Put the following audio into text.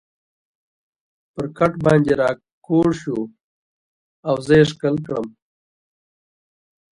پر کټ باندې را کږ شو او زه یې ښکل کړم.